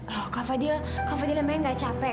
loh kak fadil kak fadil emang gak capek